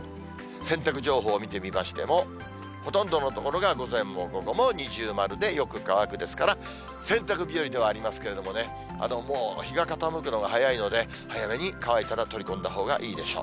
洗濯情報見てみましても、ほとんどの所が午前も午後も二重丸で、よく乾くですから、洗濯日和ではありますけれどもね、もう日が傾くのが早いので、早めに乾いたら取り込んだほうがいいでしょう。